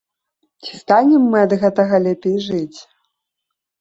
Ці станем мы ад гэтага лепей жыць?